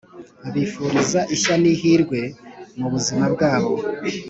abifuriza ishya n’ihirwe mu buzima bwabo.